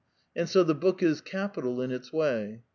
And so the book is capital in its way.